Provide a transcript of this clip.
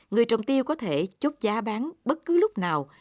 người trồng tiêu có thể chốt giá bán bất cứ lúc nào